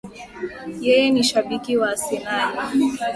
yeye ni shabiki wa arsenali.